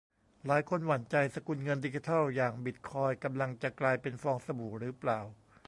หลายคนหวั่นใจ สกุลเงินดิจิทัลอย่างบิตคอยน์กำลังจะกลายเป็นฟองสบู่หรือเปล่า